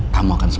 kamu akan tahu